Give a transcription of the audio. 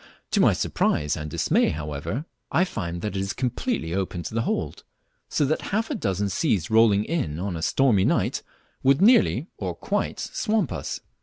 To my surprise end dismay, however, I find that it is completely open to the hold, so that half a dozen seas rolling in on a stormy night would nearly, or quite, swamp us.